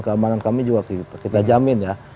keamanan kami juga kita jamin ya